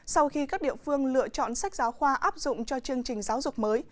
sau khi các địa phương lựa chọn sách giáo khoa áp dụng cho chương trình giáo dục mới